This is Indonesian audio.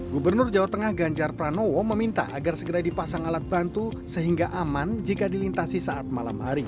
gubernur jawa tengah ganjar pranowo meminta agar segera dipasang alat bantu sehingga aman jika dilintasi saat malam hari